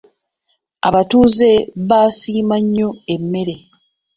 Abatuuze baasiima nnyo emmere.